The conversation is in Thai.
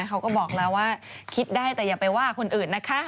เขาก็บอกแล้วว่าคิดได้แต่อย่าไปว่าคนอื่นนะคะ